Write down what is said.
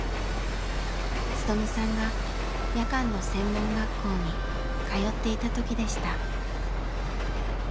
勉さんが夜間の専門学校に通っていた時でした。